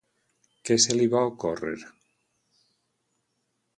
Què se li va ocórrer?